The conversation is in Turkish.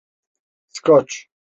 Skoç…